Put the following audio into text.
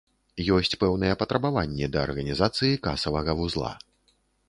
Ёсць пэўныя патрабаванні да арганізацыі касавага вузла.